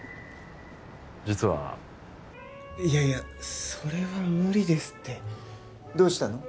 実はいやいやそれは無理ですってどうしたの？